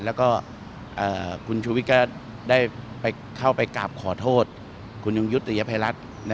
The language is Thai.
แล้วก็คุณชูวิทย์ก็ได้เข้าไปกราบขอโทษคุณยุงยุติยภัยรัฐ